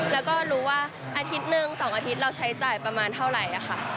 แล้วก็รู้ว่าอาทิตย์หนึ่ง๒อาทิตย์เราใช้จ่ายประมาณเท่าไหร่ค่ะ